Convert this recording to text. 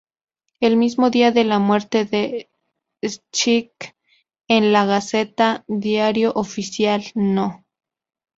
El mismo día de la muerte de Schick en La Gaceta, Diario Oficial, No.